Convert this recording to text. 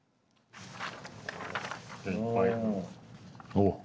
おっ。